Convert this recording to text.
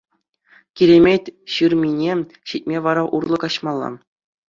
Киремет ҫырмине ҫитме вар урлӑ каҫмалла.